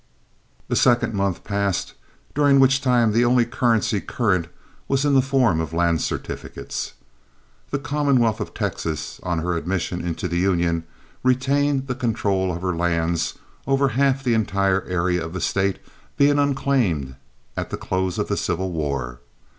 A second month passed, during which time the only currency current was in the form of land certificates. The Commonwealth of Texas, on her admission into the Union, retained the control of her lands, over half the entire area of the State being unclaimed at the close of the civil war.